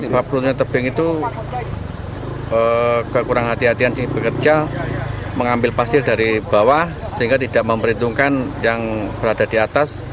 empat puluh tahun tebing itu kekurangan hati hatian di pekerja mengambil pasir dari bawah sehingga tidak memperhitungkan yang berada di atas